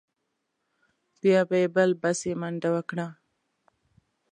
بیا به یې بل بسې منډه وکړه.